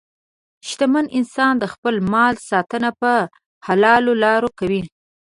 شتمن انسان د خپل مال ساتنه په حلالو لارو کوي.